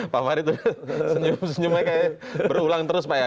pak farid senyum senyumnya kayak berulang terus pak ya